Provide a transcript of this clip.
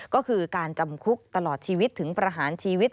ก็คือการจำคุกตลอดชีวิตถึงประหารชีวิต